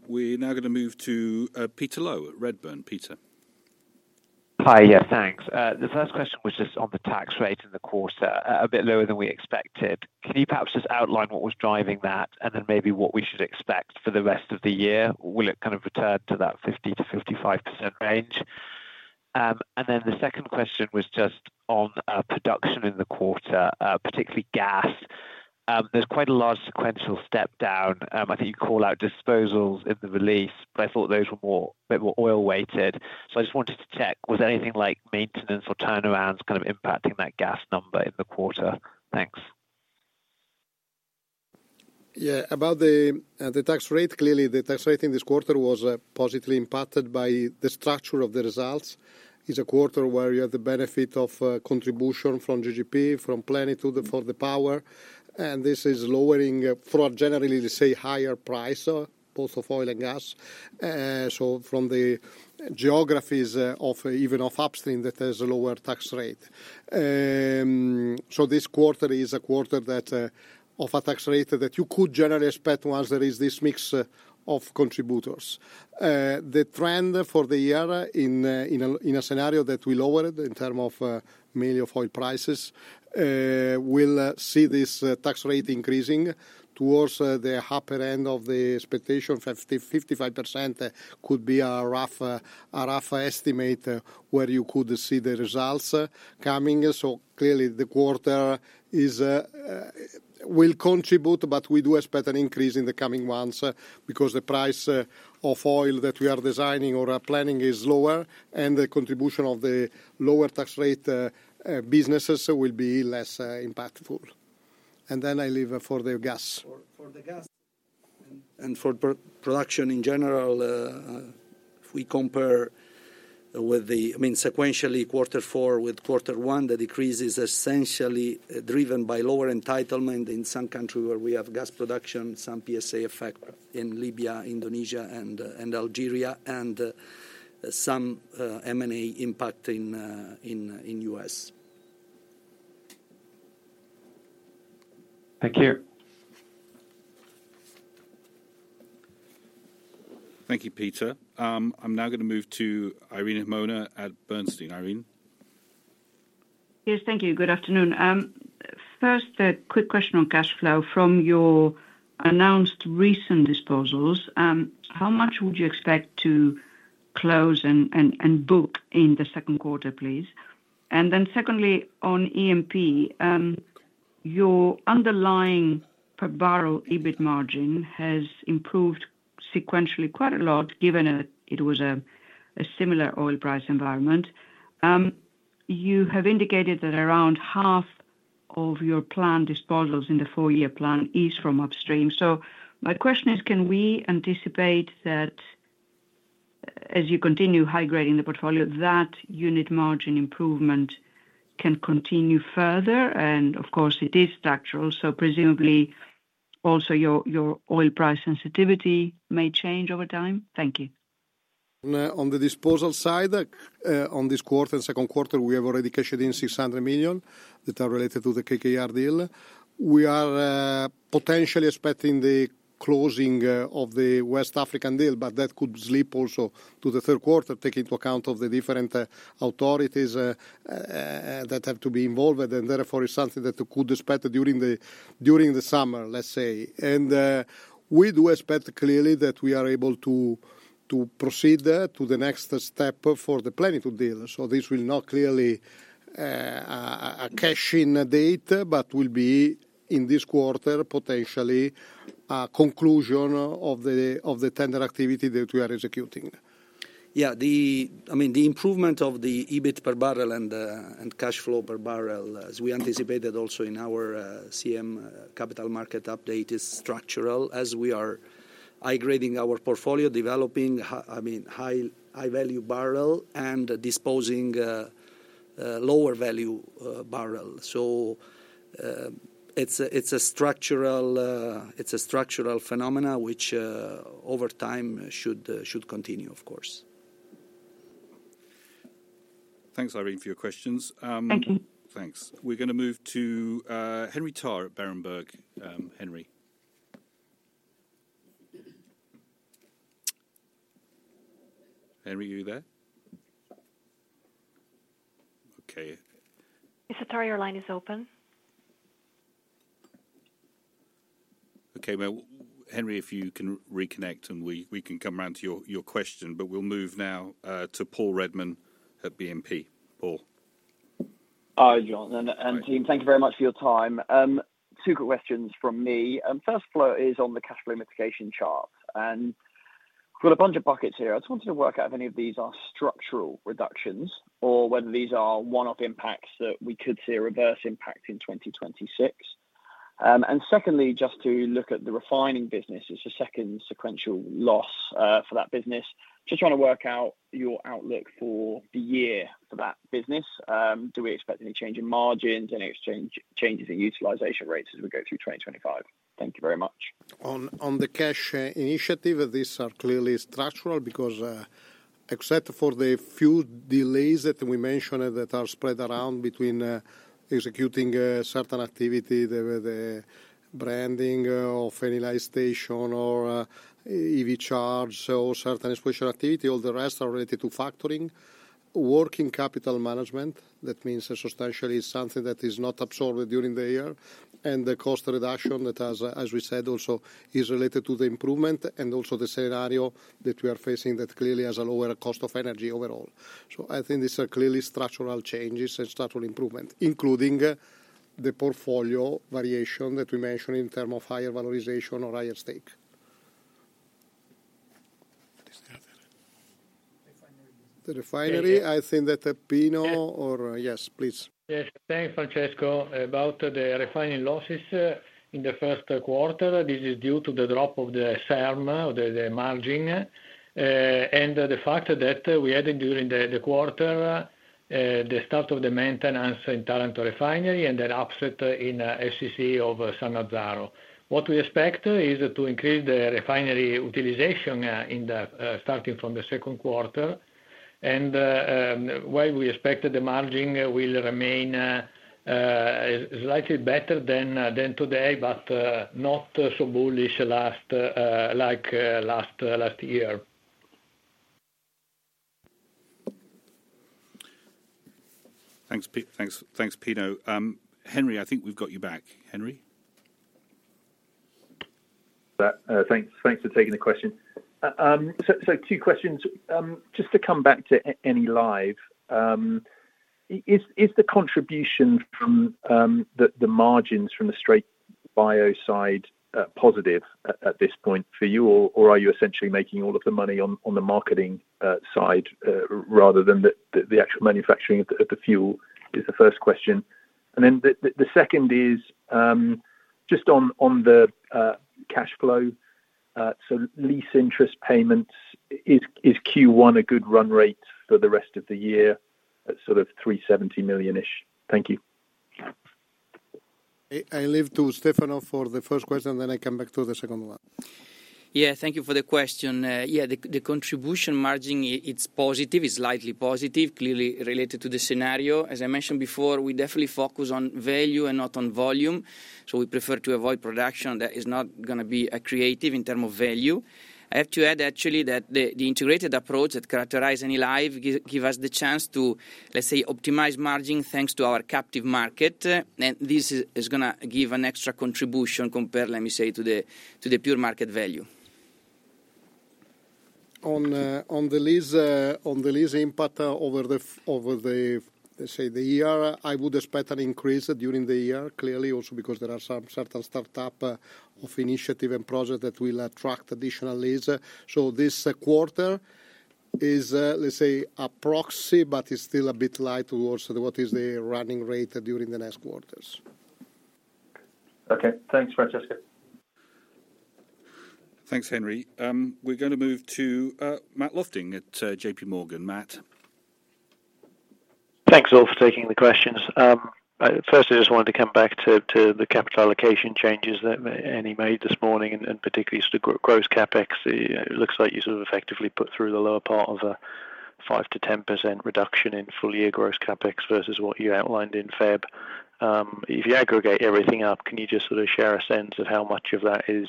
Speaker 3: We're now going to move to Peter Lowe at Redburn. Peter.
Speaker 13: Hi, yes, thanks. The first question was just on the tax rate in the quarter, a bit lower than we expected. Can you perhaps just outline what was driving that and then maybe what we should expect for the rest of the year? Will it kind of return to that 50-55% range? The second question was just on production in the quarter, particularly gas. There's quite a large sequential step down. I think you call out disposals in the release, but I thought those were a bit more oil-weighted. I just wanted to check, was there anything like maintenance or turnarounds kind of impacting that gas number in the quarter?
Speaker 2: Thanks. Yeah, about the tax rate, clearly the tax rate in this quarter was positively impacted by the structure of the results. It's a quarter where you have the benefit of contribution from GGP, from Plenitude for the power. This is lowering for generally, let's say, higher price post of oil and gas. From the geographies of even of upstream that has a lower tax rate. This quarter is a quarter of a tax rate that you could generally expect once there is this mix of contributors. The trend for the year in a scenario that we lowered in terms of mainly of oil prices will see this tax rate increasing towards the upper end of the expectation. 55% could be a rough estimate where you could see the results coming. Clearly the quarter will contribute, but we do expect an increase in the coming months because the price of oil that we are designing or planning is lower and the contribution of the lower tax rate businesses will be less impactful. I leave for the gas.
Speaker 5: For the gas and for production in general, if we compare with the, I mean, sequentially quarter four with quarter one, the decrease is essentially driven by lower entitlement in some countries where we have gas production, some PSA effect in Libya, Indonesia, and Algeria, and some M&A impact in the US.
Speaker 13: Thank you.
Speaker 3: Thank you, Peter. I am now going to move to Irene Himona at Bernstein. Irene.
Speaker 14: Yes, thank you. Good afternoon. First, a quick question on cash flow. From your announced recent disposals, how much would you expect to close and book in the second quarter, please? And then secondly, on EMP, your underlying per barrel EBIT margin has improved sequentially quite a lot given that it was a similar oil price environment. You have indicated that around half of your planned disposals in the four-year plan is from upstream. My question is, can we anticipate that as you continue high-grading the portfolio, that unit margin improvement can continue further? Of course, it is structural. Presumably also your oil price sensitivity may change over time. Thank you.
Speaker 2: On the disposal side, on this quarter and second quarter, we have already cashed in 600 million that are related to the KKR deal. We are potentially expecting the closing of the West African deal, but that could slip also to the third quarter, taking into account the different authorities that have to be involved. Therefore, it is something that could be expected during the summer, let's say. We do expect clearly that we are able to proceed to the next step for the Plenitude deal. This will not clearly be a cash-in date, but will be in this quarter potentially a conclusion of the tender activity that we are executing.
Speaker 5: Yeah, I mean, the improvement of the EBIT per barrel and cash flow per barrel, as we anticipated also in our CM Capital Markets update, is structural as we are high-grading our portfolio, developing, I mean, high-value barrel and disposing lower-value barrel. It is a structural phenomenon which over time should continue, of course.
Speaker 3: Thanks, Irene, for your questions. Thank you. Thanks. We're going to move to Henry Tarr at Berenberg. Henry. Henry, are you there? Okay. Mr. Tarr, your line is open. Okay, Henry, if you can reconnect and we can come around to your question, but we'll move now to Paul Redman at BNP. Paul.
Speaker 15: Hi, John. And team, thank you very much for your time. Two quick questions from me. First flow is on the cash flow mitigation chart. And we've got a bunch of buckets here. I just wanted to work out if any of these are structural reductions or whether these are one-off impacts that we could see a reverse impact in 2026. Secondly, just to look at the refining business, it's the second sequential loss for that business. Just trying to work out your outlook for the year for that business. Do we expect any change in margins, any changes in utilization rates as we go through 2025? Thank you very much.
Speaker 2: On the cash initiative, these are clearly structural because except for the few delays that we mentioned that are spread around between executing certain activity, the branding of any light station or EV charge or certain exposure activity, all the rest are related to factoring, working capital management. That means substantially something that is not absorbed during the year. The cost reduction that has, as we said, also is related to the improvement and also the scenario that we are facing that clearly has a lower cost of energy overall. I think these are clearly structural changes and structural improvement, including the portfolio variation that we mentioned in terms of higher valorization or higher stake. The refinery. The refinery, I think that Pino or yes, please.
Speaker 16: Yes, thanks, Francesco. About the refining losses in the first quarter, this is due to the drop of the SERM, the margin, and the fact that we added during the quarter the start of the maintenance in Taranto refinery and then upset in FCC of Sannazzaro. What we expect is to increase the refinery utilization starting from the second quarter. We expect the margin will remain slightly better than today, but not so bullish like last year.
Speaker 3: Thanks, Peter. Thanks, Pino. Henry, I think we've got you back. Henry.
Speaker 17: Thanks for taking the question. Two questions. Just to come back to Enilive, is the contribution from the margins from the straight bio side positive at this point for you, or are you essentially making all of the money on the marketing side rather than the actual manufacturing of the fuel is the first question. The second is just on the cash flow, so lease interest payments, is Q1 a good run rate for the rest of the year at sort of 370 million-ish?
Speaker 2: Thank you. I leave to Stefano for the first question, then I come back to the second one.
Speaker 6: Thank you for the question. The contribution margin, it's positive, it's slightly positive, clearly related to the scenario. As I mentioned before, we definitely focus on value and not on volume. We prefer to avoid production that is not going to be accretive in terms of value. I have to add actually that the integrated approach that characterizes Enilive gives us the chance to, let's say, optimize margin thanks to our captive market. This is going to give an extra contribution compared, let me say, to the pure market value.
Speaker 2: On the lease impact over the, let's say, the year, I would expect an increase during the year, clearly also because there are some certain startup of initiative and project that will attract additional lease. So this quarter is, let's say, a proxy, but it's still a bit light towards what is the running rate during the next quarters.
Speaker 17: Okay, thanks, Francesco.
Speaker 2: Thanks, Henry. We're going to move to Matt Lofting at JP Morgan. Matt.
Speaker 18: Thanks all for taking the questions. First, I just wanted to come back to the capital allocation changes that Eni made this morning and particularly sort of gross CapEx. It looks like you sort of effectively put through the lower part of a 5-10% reduction in full year gross CapEx versus what you outlined in February. If you aggregate everything up, can you just sort of share a sense of how much of that is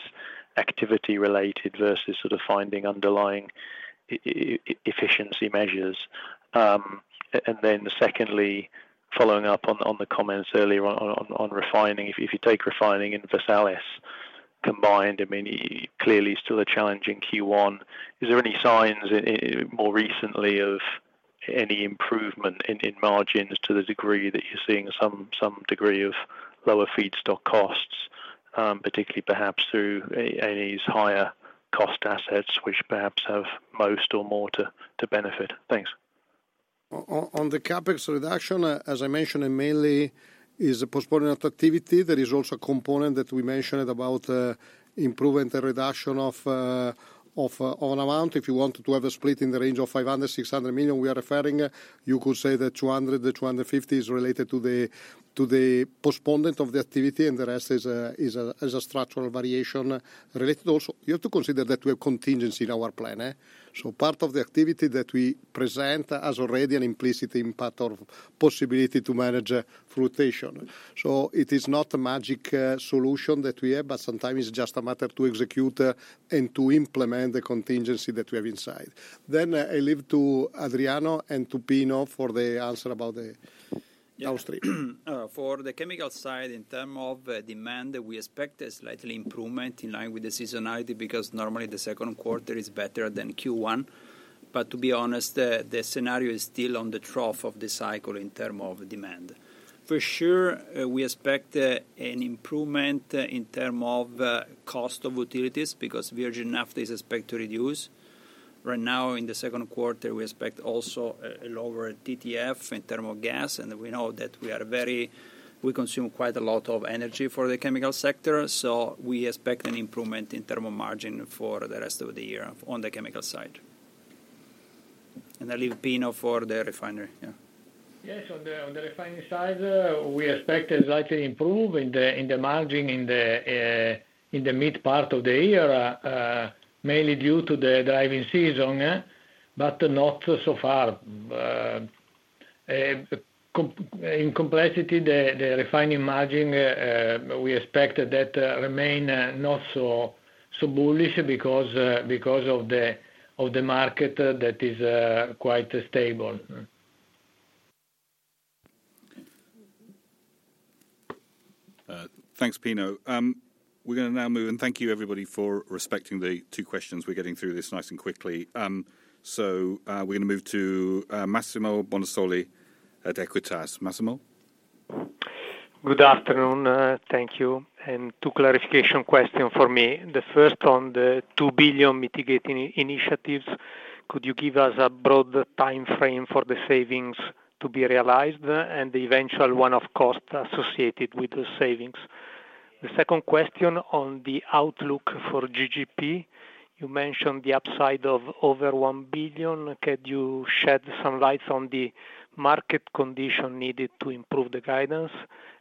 Speaker 18: activity-related versus sort of finding underlying efficiency measures? Then secondly, following up on the comments earlier on refining, if you take refining and Versalis combined, I mean, clearly still a challenging Q1. Is there any signs more recently of any improvement in margins to the degree that you're seeing some degree of lower feedstock costs, particularly perhaps through Eni's higher cost assets, which perhaps have most or more to benefit? Thanks.
Speaker 2: On the CapEx reduction, as I mentioned, it mainly is postponing activity. There is also a component that we mentioned about improving the reduction of an amount. If you want to have a split in the range of 500 million-600 million we are referring, you could say that 200 million-250 million is related to the postponement of the activity and the rest is a structural variation related also. You have to consider that we have contingency in our plan. So part of the activity that we present has already an implicit impact or possibility to manage fluctuation. It is not a magic solution that we have, but sometimes it's just a matter to execute and to implement the contingency that we have inside. I leave to Adriano and to Pino for the answer about the industrial part.
Speaker 19: For the chemical side in terms of demand, we expect a slightly improvement in line with the seasonality because normally the second quarter is better than Q1. To be honest, the scenario is still on the trough of the cycle in terms of demand. For sure, we expect an improvement in terms of cost of utilities because virgin naphtha is expected to reduce. Right now, in the second quarter, we expect also a lower TTF in terms of gas. We know that we are very, we consume quite a lot of energy for the chemical sector. We expect an improvement in terms of margin for the rest of the year on the chemical side. I leave Pino for the refinery.
Speaker 16: Yes, on the refining side, we expect a slightly improvement in the margin in the mid part of the year, mainly due to the driving season, but not so far. In complexity, the refining margin, we expect that remain not so bullish because of the market that is quite stable.
Speaker 3: Thanks, Pino. We're going to now move, and thank you everybody for respecting the two questions. We're getting through this nice and quickly. We're going to move to Massimo Bonisoli at Equita. Massimo?
Speaker 20: Good afternoon. Thank you. Two clarification questions for me. The first on the 2 billion mitigating initiatives, could you give us a broad timeframe for the savings to be realized and the eventual one-off cost associated with the savings? The second question on the outlook for GGP, you mentioned the upside of over 1 billion. Could you shed some light on the market condition needed to improve the guidance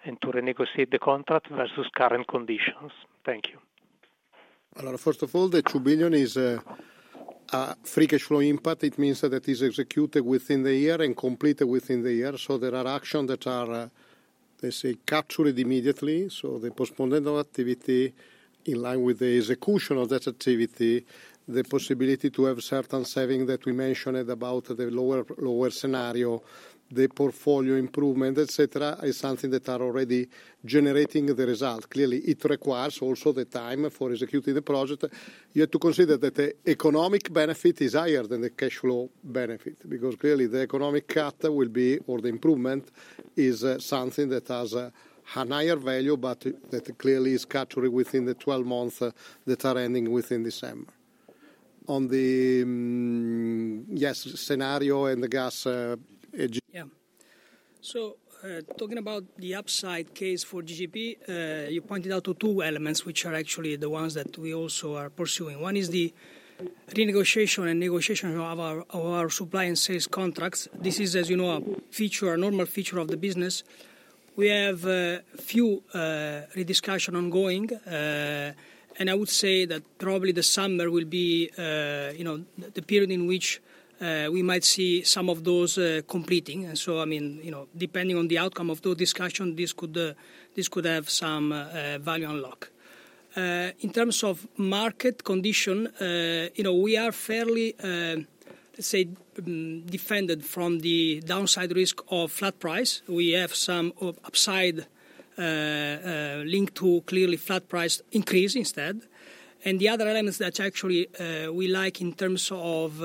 Speaker 20: and to renegotiate the contract versus current conditions? Thank you.
Speaker 2: First of all, the 2 billion is a free cash flow impact. It means that it is executed within the year and completed within the year. There are actions that are, let's say, captured immediately. The postponement of activity in line with the execution of that activity, the possibility to have certain savings that we mentioned about the lower scenario, the portfolio improvement, etc., is something that are already generating the result. Clearly, it requires also the time for executing the project. You have to consider that the economic benefit is higher than the cash flow benefit because clearly the economic cut will be, or the improvement is something that has a higher value, but that clearly is captured within the 12 months that are ending within December.
Speaker 21: On the, yes, scenario and the gas. Yeah. Talking about the upside case for GGP, you pointed out two elements which are actually the ones that we also are pursuing. One is the renegotiation and negotiation of our supply and sales contracts. This is, as you know, a feature, a normal feature of the business. We have a few rediscussions ongoing. I would say that probably the summer will be the period in which we might see some of those completing. I mean, depending on the outcome of those discussions, this could have some value unlock. In terms of market condition, we are fairly, let's say, defended from the downside risk of flat price. We have some upside linked to clearly flat price increase instead. The other elements that actually we like in terms of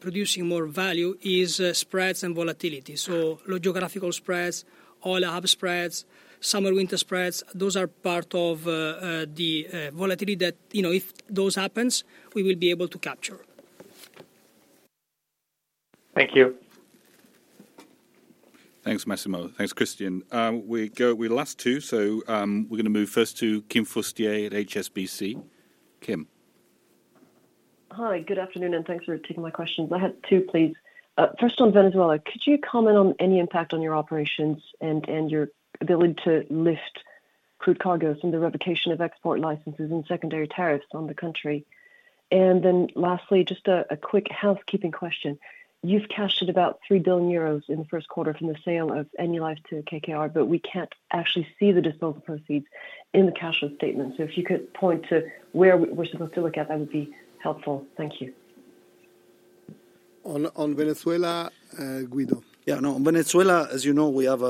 Speaker 21: producing more value is spreads and volatility. Geographical spreads, oil hub spreads, summer winter spreads, those are part of the volatility that if those happen, we will be able to capture.
Speaker 3: Thank you. Thanks, Massimo. Thanks, Cristian. We last two. We're going to move first to Kim Fustier at HSBC. Kim.
Speaker 22: Hi, good afternoon, and thanks for taking my questions. I had two, please. First on Venezuela, could you comment on any impact on your operations and your ability to lift crude cargo from the revocation of export licenses and secondary tariffs on the country? Lastly, just a quick housekeeping question. You have cashed in about 3 billion euros in the first quarter from the sale of Enilive to KKR, but we cannot actually see the disposal proceeds in the cash flow statement. If you could point to where we are supposed to look at, that would be helpful. Thank you.
Speaker 2: On Venezuela, Guido.
Speaker 5: Yeah, no, on Venezuela, as you know, we have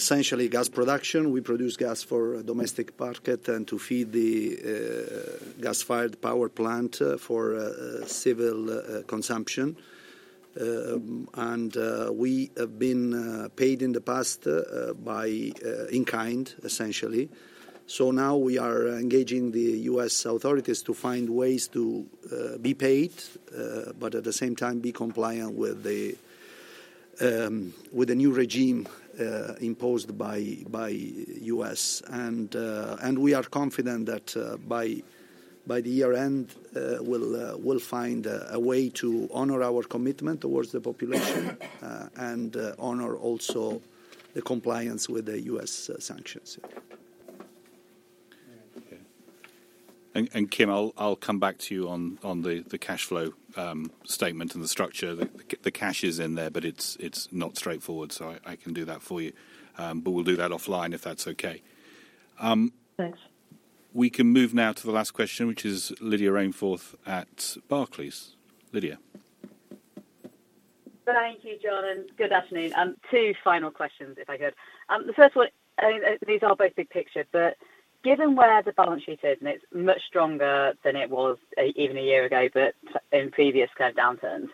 Speaker 5: essentially gas production. We produce gas for the domestic market and to feed the gas-fired power plant for civil consumption. We have been paid in the past by in-kind, essentially. Now we are engaging the U.S. authorities to find ways to be paid, but at the same time be compliant with the new regime imposed by the U.S. We are confident that by the year end, we'll find a way to honor our commitment towards the population and honor also the compliance with the U.S. sanctions.
Speaker 3: Kim, I'll come back to you on the cash flow statement and the structure. The cash is in there, but it's not straightforward, so I can do that for you. We'll do that offline if that's okay. Thanks. We can move now to the last question, which is Lydia Rainforth at Barclays. Lydia.
Speaker 23: Thank you, John. Good afternoon. Two final questions, if I could. The first one, these are both big picture, but given where the balance sheet is, and it's much stronger than it was even a year ago, but in previous kind of downturns,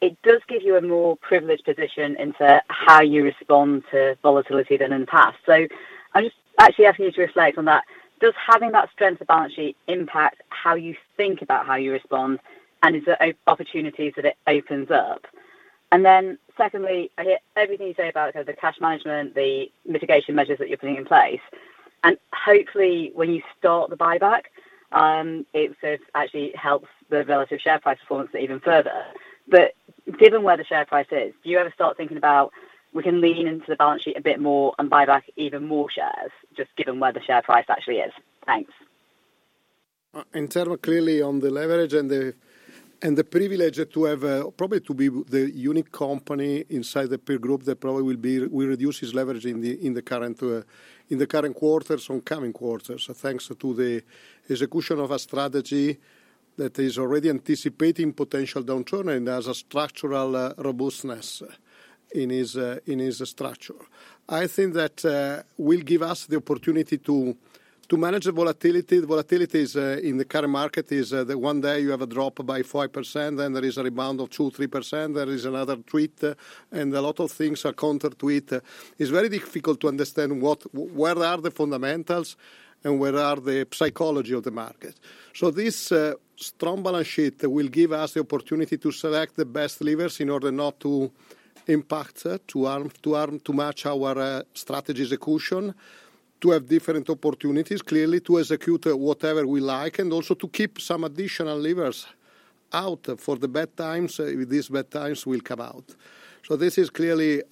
Speaker 23: it does give you a more privileged position into how you respond to volatility than in the past. I'm just actually asking you to reflect on that. Does having that strength of balance sheet impact how you think about how you respond, and is there opportunities that it opens up? Secondly, I hear everything you say about the cash management, the mitigation measures that you're putting in place. Hopefully, when you start the buyback, it actually helps the relative share price performance even further. Given where the share price is, do you ever start thinking about, we can lean into the balance sheet a bit more and buy back even more shares, just given where the share price actually is? Thanks.
Speaker 2: In terms of clearly on the leverage and the privilege to have probably to be the unique company inside the peer group that probably will reduce its leverage in the current quarters, oncoming quarters, thanks to the execution of a strategy that is already anticipating potential downturn and has a structural robustness in its structure. I think that will give us the opportunity to manage the volatility. The volatility in the current market is that one day you have a drop by 5%, then there is a rebound of 2-3%, there is another tweet, and a lot of things are counter-tweet. It's very difficult to understand where are the fundamentals and where are the psychology of the market. This strong balance sheet will give us the opportunity to select the best levers in order not to impact too much our strategy execution, to have different opportunities, clearly to execute whatever we like, and also to keep some additional levers out for the bad times if these bad times will come out. This is clearly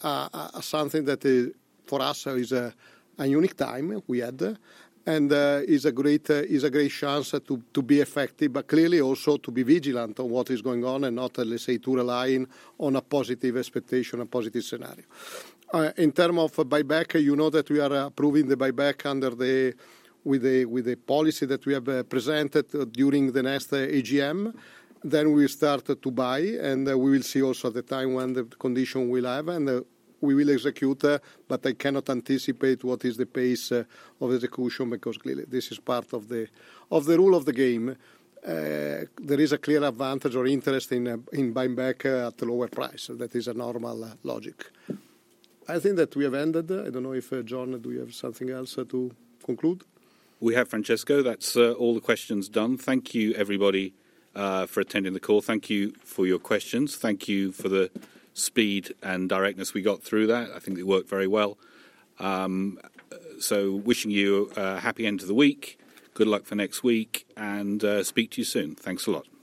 Speaker 2: something that for us is a unique time we had and is a great chance to be effective, but clearly also to be vigilant on what is going on and not, let's say, to rely on a positive expectation, a positive scenario. In terms of buyback, you know that we are approving the buyback under the policy that we have presented during the next AGM. We will start to buy, and we will see also at the time when the condition will have and we will execute, but I cannot anticipate what is the pace of execution because clearly this is part of the rule of the game. There is a clear advantage or interest in buying back at a lower price. That is a normal logic. I think that we have ended. I do not know if John, do you have something else to conclude?
Speaker 3: We have, Francesco. That is all the questions done. Thank you, everybody, for attending the call. Thank you for your questions. Thank you for the speed and directness we got through that. I think it worked very well. Wishing you a happy end of the week. Good luck for next week, and speak to you soon. Thanks a lot. Bye.